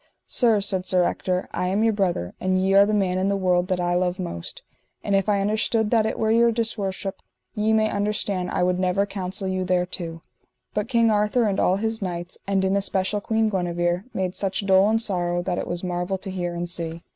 Sir, said Sir Ector, I am your brother, and ye are the man in the world that I love most; and if I understood that it were your disworship, ye may understand I would never counsel you thereto; but King Arthur and all his knights, and in especial Queen Guenever, made such dole and sorrow that it was marvel to hear and see.